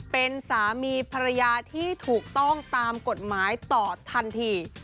เป็นสามีภรรยาที่ถูกต้องตามกฎหมายต่อทันที